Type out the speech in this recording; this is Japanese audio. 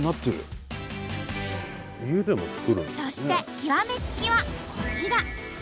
そして極め付きはこちら。